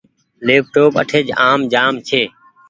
ليپ ٽوپ اٺي آم جآ م ڇي۔